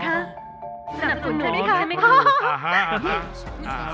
สนับสนุนใช่ไหมคะ